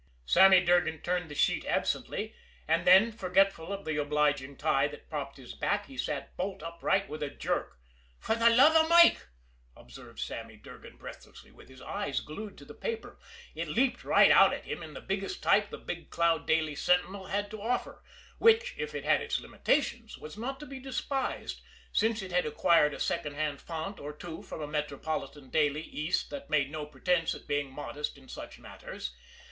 Sammy Durgan turned the sheet absently and then, forgetful of the obliging tie that propped his back, he sat bolt upright with a jerk. "For the love of Mike!" observed Sammy Durgan breathlessly, with his eyes glued to the paper. It leaped right out at him in the biggest type the Big Cloud Daily Sentinel had to offer, which, if it had its limitations, was not to be despised, since it had acquired a second hand font or two from a metropolitan daily east that made no pretense at being modest in such matters.